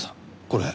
これ。